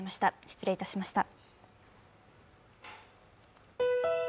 失礼いたしました。